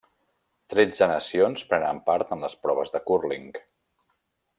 Tretze nacions prenen part en les proves de cúrling.